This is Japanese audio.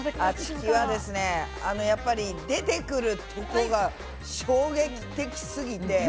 あちきはですねあのやっぱり出てくるとこが衝撃的すぎて。